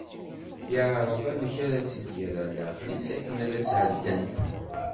Yeɛreḍ amek ara tt-id-yerr ar leɛqel-is, akken ad tethedden.